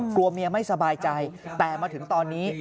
กลัวเมียไม่สบายใจแต่มาถึงตอนนี้